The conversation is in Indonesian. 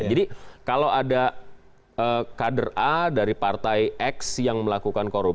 jadi kalau ada kader a dari partai x yang melakukan